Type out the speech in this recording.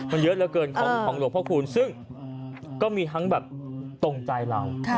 มันเยอะเหลือเกินของหลวงพระคูณซึ่งก็มีทั้งแบบตรงใจเรา